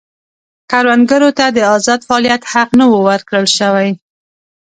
کروندګرو ته د ازاد فعالیت حق نه و ورکړل شوی.